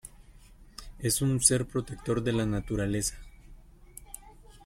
Es un ser protector de la naturaleza.